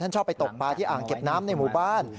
ชอบไปตกปลาที่อ่างเก็บน้ำในหมู่บ้าน